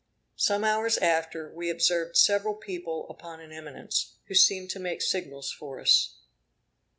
Some hours after, we observed several people upon an eminence, who seemed to make signals for us.